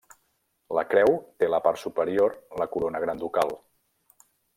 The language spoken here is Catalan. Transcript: La creu té a la part superior la corona gran ducal.